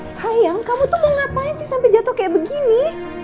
sayang kamu tuh mau ngapain sih sampai jatuh kayak begini